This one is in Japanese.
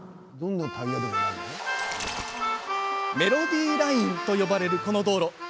メロディーラインと呼ばれるこの道路。